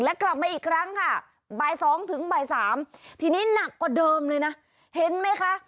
และกลับมาอีกครั้งค่ะบ่าย๒ถึงบ่ายสามทีนี้หนักกว่าเดิมเลยนะเห็นไหมคะ